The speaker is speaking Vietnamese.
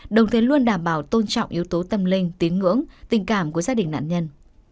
đồng thời luôn đảm bảo tôn trọng yếu tố tâm linh tín ngưỡng tình cảm của gia đình nạn nhân